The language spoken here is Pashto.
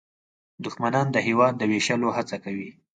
دښمنان د هېواد د ویشلو هڅه کوي